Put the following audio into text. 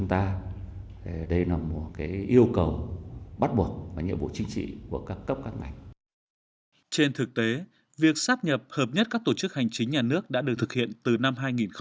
trên thực tế việc sắp nhập hợp nhất các tổ chức hành chính nhà nước đã được thực hiện từ năm hai nghìn một mươi một